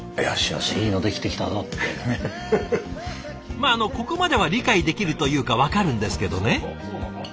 まああのここまでは理解できるというか分かるんですけどね。